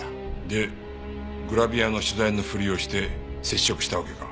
でグラビアの取材のふりをして接触したわけか。